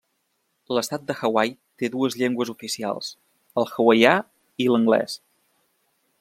L'estat de Hawaii té dues llengües oficials: el hawaià i l'anglès.